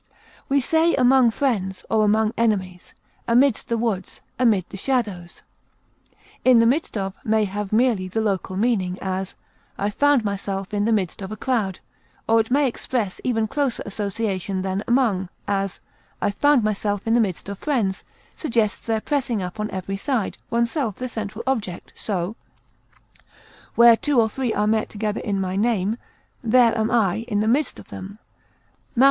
We say among friends, or among enemies, amidst the woods, amid the shadows. In the midst of may have merely the local meaning; as, I found myself in the midst of a crowd; or it may express even closer association than among; as, "I found myself in the midst of friends" suggests their pressing up on every side, oneself the central object; so, "where two or three are met together in my name, there am I in the midst of them," _Matt.